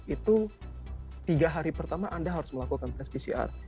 itu tiga hari pertama anda harus melakukan tes pcr